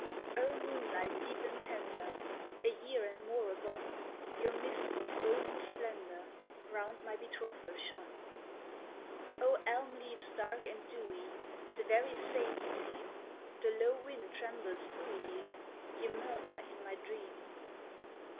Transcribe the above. O, moonlight deep and tender, A year and more agone, Your mist of golden splendor Round my betrothal shone! O, elm leaves dark and dewy, The very same ye seem, The low wind trembles through ye, Ye murmur in my dream!